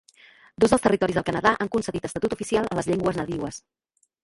Dos dels territoris del Canadà han concedit estatut oficial a les llengües nadiues.